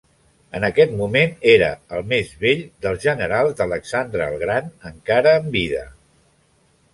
En aquest moment era el més vell dels generals d'Alexandre el Gran encara en vida.